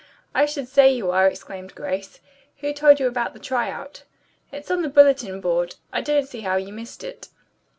"I should say you are!" exclaimed Grace. "Who told you about the try out?" "It's on the bulletin board. I don't see how you missed it."